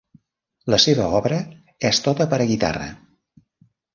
La seva obra és tota per a guitarra.